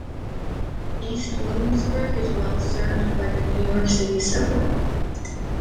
East Williamsburg is well served by the New York City Subway.